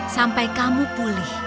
sampai kamu pulih